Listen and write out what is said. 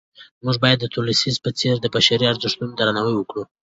موږ باید د تولستوی په څېر د بشري ارزښتونو درناوی وکړو.